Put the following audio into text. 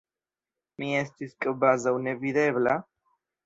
Mi estis kvazaŭ nevidebla.